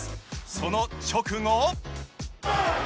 その直後。